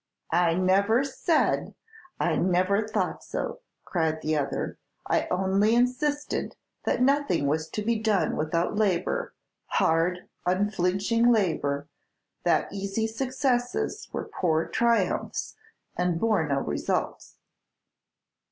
"I never said, I never thought so," cried the other; "I only insisted that nothing was to be done without labor, hard, unflinching labor; that easy successes were poor triumphs, and bore no results."